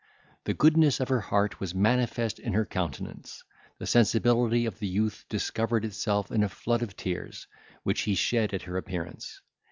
The goodness of her heart was manifest in her countenance; the sensibility of the youth discovered itself in a flood of tears, which he shed at her appearance.